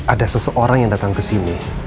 ada seseorang yang datang ke sini